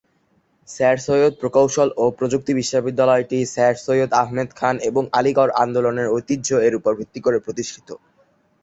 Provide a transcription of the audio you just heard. Sir Syed প্রকৌশল ও প্রযুক্তি বিশ্ববিদ্যালয়টি স্যার সৈয়দ আহমেদ খান এবং আলিগড় আন্দোলনের ঐতিহ্য এর উপর ভিত্তি করে প্রতিষ্ঠিত।